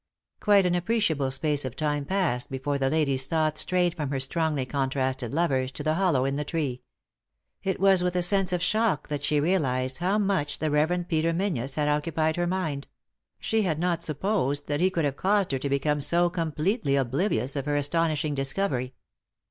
Quite an appreciable space of time passed before the lady's thoughts strayed from her strongly contrasted lovers to the hollow in the tree. It was with a sense of shock that she realised how much the Rev. Peter Menzies had occupied her mind ; she had not supposed that he could have caused her to become so completely oblivious of her astonishing discovery.